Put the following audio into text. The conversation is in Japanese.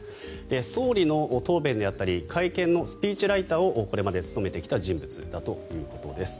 総理の答弁であったり会見のスピーチライターをこれまで務めてきた人物だということです。